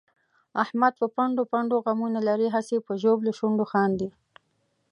احمد په پنډو پنډو غمونه لري، هسې په ژبلو شونډو خاندي.